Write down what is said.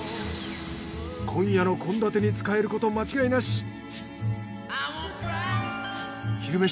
今夜の献立に使えること間違いなし。